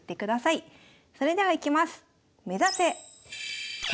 それではいきます。